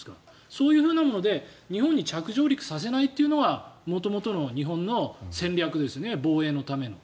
そういうもので日本に着上陸させないというのが元々の日本の戦略ですね防衛のために。